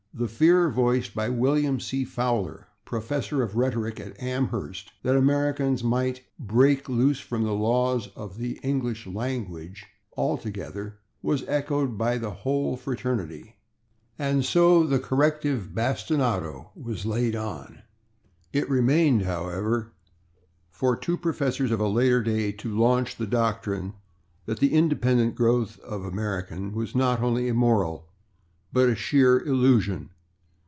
The fear voiced by William C. Fowler, professor of rhetoric at Amherst, that Americans might "break loose from the laws of the English language" altogether, was [Pg009] echoed by the whole fraternity, and so the corrective bastinado was laid on. It remained, however, for two professors of a later day to launch the doctrine that the independent growth of American was not only immoral, but a sheer illusion.